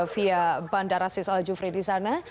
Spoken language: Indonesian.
via bandara sisal jufri di sana